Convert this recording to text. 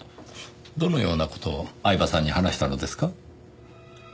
どのような事を饗庭さんに話したのですか？